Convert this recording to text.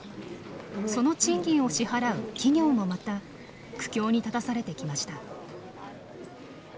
その賃金を支払う企業もまた苦境に立たされてきました。